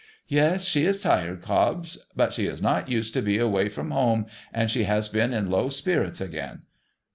* Yes, she is tired, Cobbs ; but she is not used to be away from home, and she has been in low spirits again.